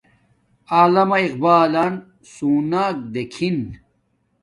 علامہ اقبالن سُوناک دیکھن